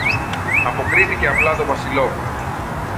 αποκρίθηκε απλά το Βασιλόπουλο